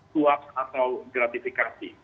suap atau gratifikasi